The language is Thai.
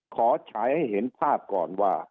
ฉายให้เห็นภาพก่อนว่า